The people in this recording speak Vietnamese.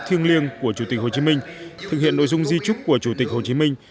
thiêng liêng của chủ tịch hồ chí minh thực hiện nội dung di trúc của chủ tịch hồ chí minh